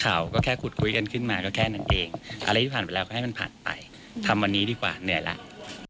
ข่าวก็แค่ขุดคุยกันขึ้นมาก็แค่นั้นเองอะไรที่ผ่านไปแล้วก็ให้มันผ่านไปทำวันนี้ดีกว่าเหนื่อยแล้ว